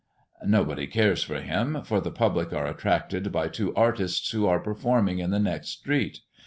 Nobody cares for him, for the public are attracted by two artists who are performing in the next street.